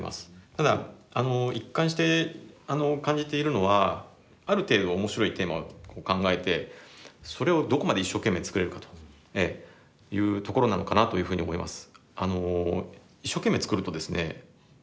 ただ一貫して感じているのはある程度面白いテーマを考えてそれをどこまで一生懸命作れるかというところなのかなというふうに思います。